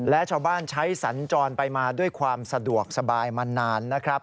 และชาวบ้านใช้สัญจรไปมาด้วยความสะดวกสบายมานานนะครับ